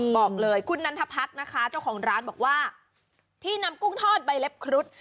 บอกเลยคุณนันทพรรคนะคะเจ้าของร้านบอกว่าที่นำกุ้งทอดใบเล็บครุฑ